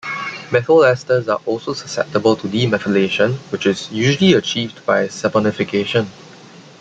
Methyl esters also are susceptible to demethylation, which is usually achieved by saponification.